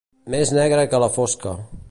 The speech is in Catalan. Més negre que la fosca.